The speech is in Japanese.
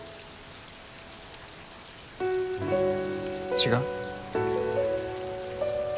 違う？